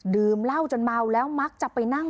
ดื่มเหล้าจนเมาแล้วมักจะไปนั่ง